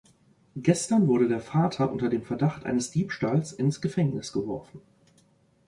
Gestern wurde der Vater unter dem Verdacht eines Diebstahls ins Gefängnis geworfen.